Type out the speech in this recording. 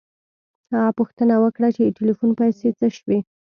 هغه پوښتنه وکړه چې د ټیلیفون پیسې څه شوې